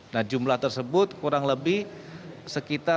nah jumlah tersebut kurang lebih sekitar tujuh puluh empat delapan belas